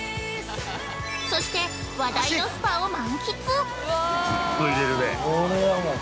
そして、話題のスパを満喫。